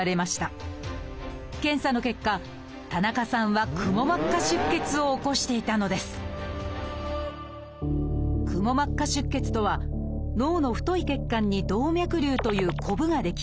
検査の結果田中さんは「くも膜下出血」を起こしていたのです「くも膜下出血」とは脳の太い血管に「動脈瘤」というこぶが出来